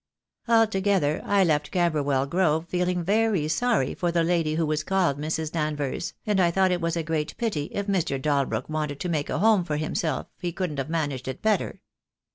Altogether I left Camberwell Grove feeling very sorry for the lady who was called Mrs. Danvers, and I thought it was a great pity if Air. Dalbrook wanted to make a home for himself he couldn't have managed it better.